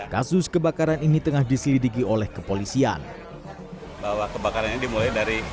kasus kebakaran ini tengah diselidiki oleh kepolisian bahwa kebakaran ini dimulai dari